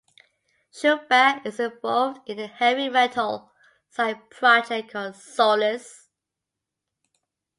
Schubach is involved in a heavy metal side project called Solace.